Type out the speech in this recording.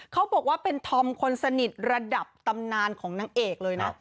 เขาบอกว่าเป็นธอมคนสนิทระดับตำนานของนางเอกเลยนะ